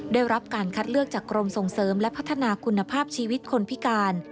ได้รับการคัดเลือกจากกรมส่งเสริมและพัฒนาคุณภาพชีวิตคนพิการ